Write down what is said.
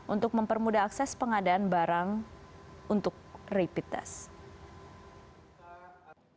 untuk mempermudah akses pengadaan barang untuk rapid test